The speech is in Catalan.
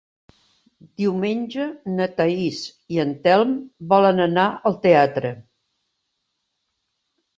Diumenge na Thaís i en Telm volen anar al teatre.